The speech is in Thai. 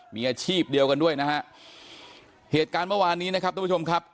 มีอาชีพเดียวกันด้วยนะฮะเหตุการณ์เมื่อวานนี้นะครับทุกผู้ชมครับ